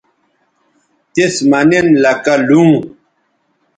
تِس مہ نن لکہ لوں